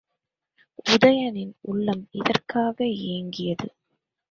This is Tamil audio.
உதயணனின் உள்ளம் இதற்காக ஏங்கியது.